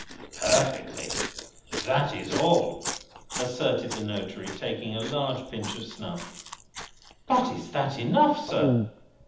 "Perfectly. That is all," asserted the notary, taking a large pinch of snuff. "But is that enough, sir?"